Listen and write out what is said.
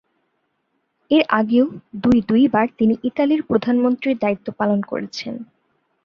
এর আগেও দুই দুইবার তিনি ইতালির প্রধানমন্ত্রীর দায়িত্ব পালন করেছেন।